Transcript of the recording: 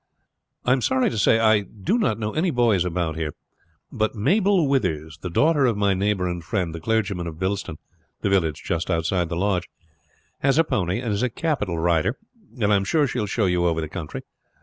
I am sorry to say I do not know any boys about here; but Mabel Withers, the daughter of my neighbor and friend the clergyman of Bilston, the village just outside the lodge, has a pony, and is a capital rider, and I am sure she will show you over the country.